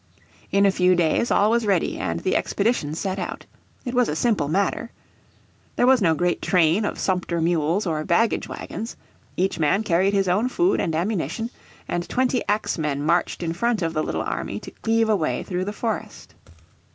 In a few days all was ready, and the expedition set out. It was a simple matter. There was no great train of sumpter mules or baggage wagons. Each man carried his own food and ammunition, and twenty axemen marched in front of the little army to cleave a way through the forest.